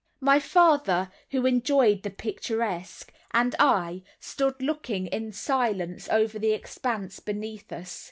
My father, who enjoyed the picturesque, and I, stood looking in silence over the expanse beneath us.